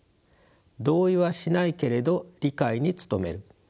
同意はしないけれど理解に努める。